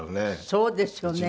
そうですよね。